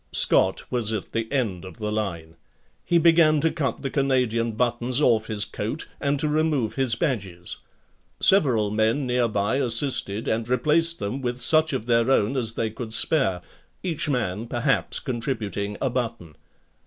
Scott was at the end of the line. He began to cut the Canadian buttons off his coat and to remove his badges. Several men near by assisted and replaced them with such of their own as they could spare; each man perhaps contributing a button.